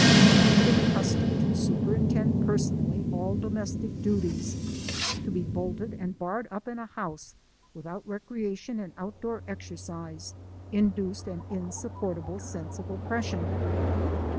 Having been accustomed to superintend personally all domestic duties, to be bolted and barred up in a house, without recreation and outdoor exercise, induced an insupportable sense of oppression.